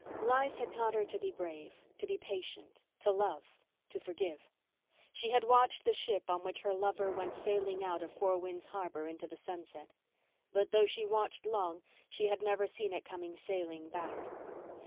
Life had taught her to be brave, to be patient, to love, to forgive. She had watched the ship on which her lover went sailing out of Four Winds Harbour into the sunset. But, though she watched long, she had never seen it coming sailing back.